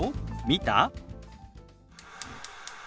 「見た？」。